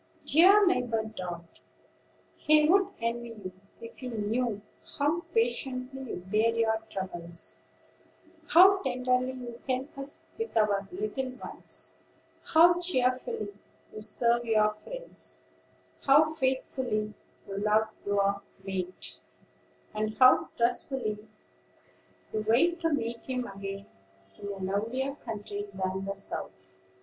"Dear neighbor Dart, he would envy you, if he knew how patiently you bear your troubles; how tenderly you help us with our little ones; how cheerfully you serve your friends; how faithfully you love your lost mate; and how trustfully you wait to meet him again in a lovelier country than the South."